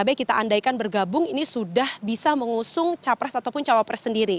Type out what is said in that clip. pkb kita andaikan bergabung ini sudah bisa mengusung capres ataupun cawapres sendiri